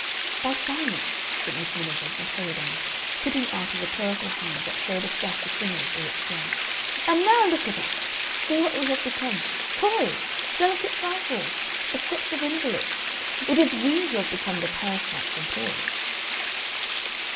"By science," said Miss Miniver, and hurried on, putting out a rhetorical hand that showed a slash of finger through its glove. "And now, look at us! See what we have become. Toys! Delicate trifles! A sex of invalids. It is we who have become the parasites and toys."